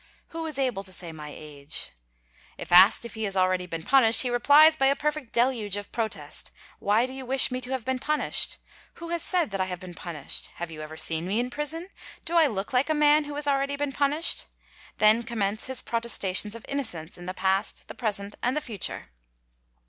'' Who is able to say my age ?"'—if asked if he has already been punished he replies by a perfect deluge of protest: '' Why do you wish _me to have been punished?" '' Who has said that I have been punished ?" _''Have you ever seen mein prison?" 'Do I look like a man who has been already punished ?''; then commence his protestations of innocence in the past, the present, and the future.